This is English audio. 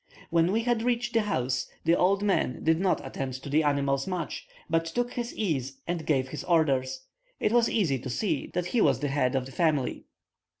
When we had reached the house, the old man did not attend to the animals much, but took his ease and gave his orders. It was easy to see that he was the head of the family.